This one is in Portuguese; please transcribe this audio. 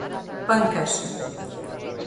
Pancas